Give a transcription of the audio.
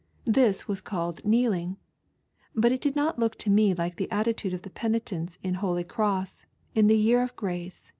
This was called kneeling, but it did not look to me like the attitude of the penitents in Holy Cross, in the year of grace, S48.